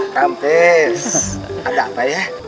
mampes ada apa ya